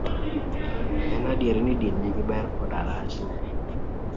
En adier ni din nigi berne koda rachne.